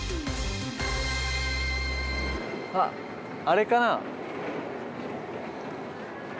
あっあれかな？